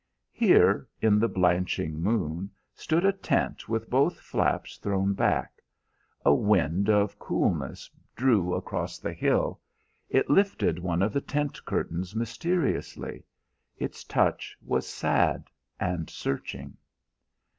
Here, in the blanching moon, stood a tent with both flaps thrown back. A wind of coolness drew across the hill; it lifted one of the tent curtains mysteriously; its touch was sad and searching.